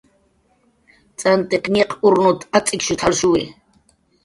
"T'antiq ñiq urnut"" ach'shut"" jalshuwi"